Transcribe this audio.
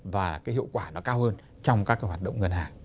và cái hiệu quả nó cao hơn trong các cái hoạt động ngân hàng